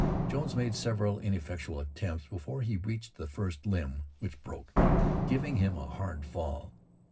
Jones made several ineffectual attempts before he reached the first limb, which broke, giving him a hard fall.